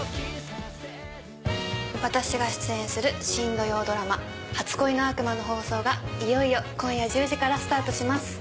私が出演する新土曜ドラマ『初恋の悪魔』の放送がいよいよ今夜１０時からスタートします。